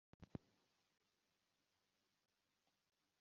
Ahagana mu mwaka wa Abakristo b i Korinto bafashe